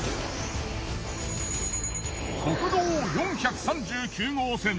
国道４３９号線